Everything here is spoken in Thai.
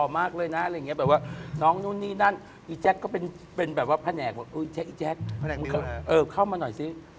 หรือว่าน้องนู่นนี่นั่นอีแจ็คก็เป็นแบบว่าพนักอีแจ็คเข้ามาหน่อยสิ